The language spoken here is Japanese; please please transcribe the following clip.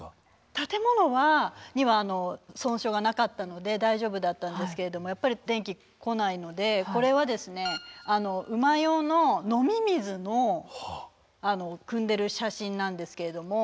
建物には損傷がなかったので大丈夫だったんですけれどもやっぱり電気来ないのでこれはですね馬用の飲み水のくんでる写真なんですけれども。